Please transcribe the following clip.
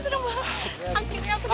akhirnya aku dapat beasiswa